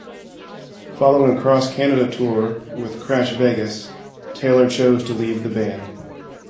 Following a cross-Canada tour with Crash Vegas, Taylor chose to leave the band.